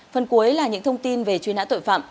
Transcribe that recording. phần cuối là những thông tin về truy nã tội phạm